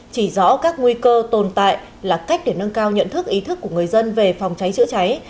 chỉ rõ các nguy cơ tồn tại là cách để nâng cao nhận thức ý thức của người dân về phòng cháy chữa cháy